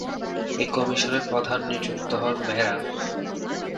এই কমিশনের প্রধান নিযুক্ত হন মেহরা।